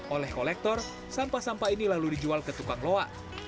oleh kolektor sampah sampah ini lalu dijual ke tukang loa